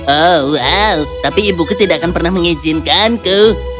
oh wow tapi ibuku tidak akan pernah mengizinkanku